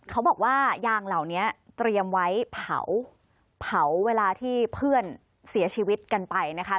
เขาบอกว่ายางเหล่านี้เตรียมไว้เผาเวลาที่เพื่อนเสียชีวิตกันไปนะคะ